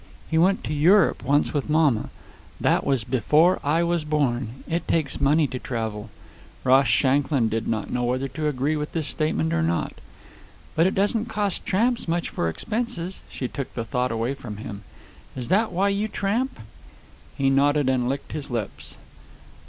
He went to Europe once with mamma. That was before I was born. It takes money to travel." Ross Shanklin did not know whether to agree with this statement or not. "But it doesn't cost tramps much for expenses," she took the thought away from him. "Is that why you tramp?" He nodded and licked his lips.